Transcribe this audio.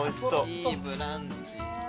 いいブランチ。